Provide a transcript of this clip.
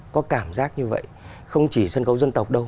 có cảm giác như vậy không chỉ sân khấu dân tộc đâu